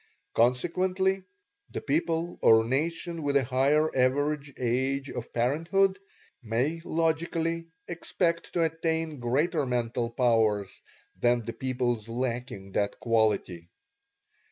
Consequently, the people or nation with a higher average age of parenthood may logically expect to attain greater mental powers than the peoples lacking that quality.